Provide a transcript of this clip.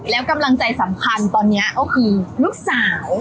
แล้วกำลังใจสำคัญตอนนี้ก็คือลูกสาว